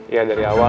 ya dari awal